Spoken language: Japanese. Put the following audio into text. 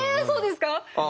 そうですか？